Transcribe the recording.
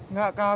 nggak kakak kok